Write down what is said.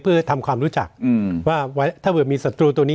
เพื่อทำความรู้จักว่าถ้าเกิดมีศัตรูตัวนี้